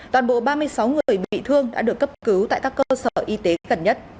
toàn bộ ba mươi sáu người bị thương đã được cấp cứu tại các cơ sở y tế gần nhất